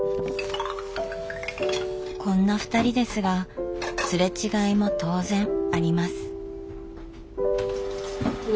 こんなふたりですが擦れ違いも当然あります。